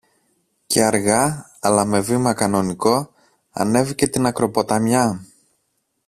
και αργά, αλλά με βήμα κανονικό, ανέβηκε την ακροποταμιά